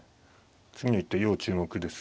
次の一手要注目です。